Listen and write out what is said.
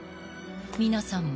皆さんも。